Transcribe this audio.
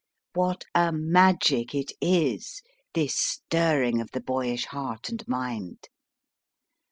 What a magic it is, this stirring of the boyish heart and mind